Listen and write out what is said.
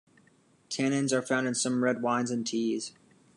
Tannins are found in some red wines and teas.